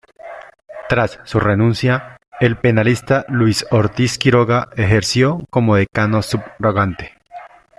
Tras su renuncia, el penalista Luis Ortiz Quiroga ejerció como decano subrogante.